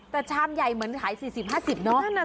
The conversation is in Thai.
แต่ชามใหญ่เหมือนขาย๔๐๕๐เนอะ